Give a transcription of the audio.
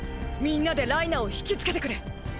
みんなでライナーを引きつけてくれ！！